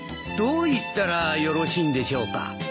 どう行ったらよろしいんでしょうか？